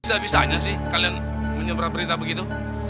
bisa bisanya sih kalian menyeberang berita begitu